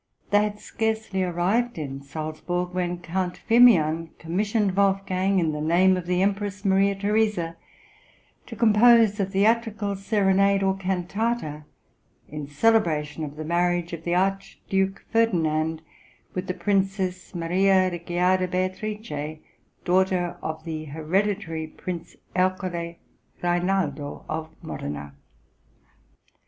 They had scarcely arrived in Salzburg, when Count Firmian commissioned Wolfgang, in the name of the Empress Maria Theresa, to compose a theatrical serenade or cantata in celebration of the marriage of the Archduke Ferdinand with the Princess Maria Ricciarda Beatrice, daughter of the hereditary Prince Ercole Rainaldo, of Modena.